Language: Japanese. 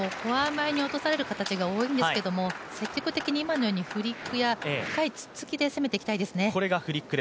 フォア前に落とされる形が多いんですけど積極的に今のようにフリックや深いツッツキで攻めていきたいですね。